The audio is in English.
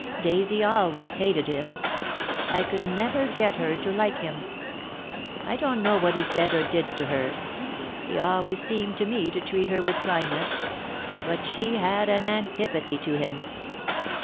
Daisy always hated him. I could never get her to like him. I don't know what he said or did to her he always seemed to me to treat her with kindness but she had an antipathy to him.